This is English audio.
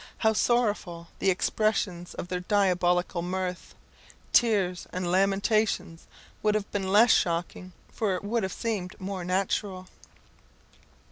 how sorrowful the expressions of their diabolical mirth! tears and lamentations would have been less shocking, for it would have seemed more natural.